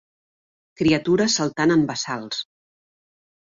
Criatures saltant en bassals.